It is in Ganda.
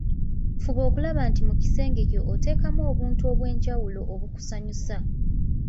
Fuba okulaba nti mu kisenge kyo oteekamu obuntuntu obw‘enjawulo obukusanyusa.